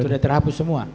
itu sudah terhapus semua